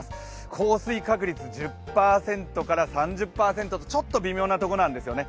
降水確率１０％から３０％とちょっと微妙なところなんですよね